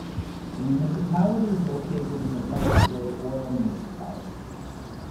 The municipality is located in the present-day Aure Municipality.